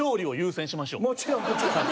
もちろんもちろん。